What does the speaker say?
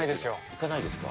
行かないですか。